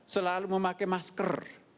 selalu memakai masker